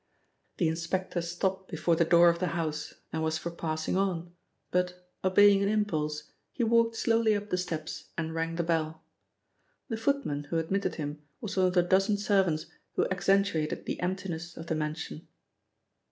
The inspector stopped before the door of the house, and was for passing on, but, obeying an impulse, he walked slowly up the steps and rang the bell. The footman who admitted him was one of the dozen servants who accentuated the emptiness of the mansion.